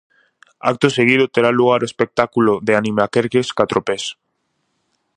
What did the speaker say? Acto seguido terá lugar o espectáculo de Animacreques Catropés.